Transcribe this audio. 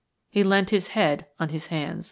He leant his head on his hands.